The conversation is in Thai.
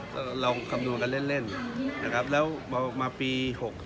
ก็ลองคำนวณกันเล่นแล้วต่อมาปี๖๒